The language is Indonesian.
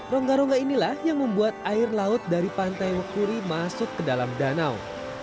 rongga rongga inilah yang membuat air laut dari pantai wekuri masuk ke dalam danau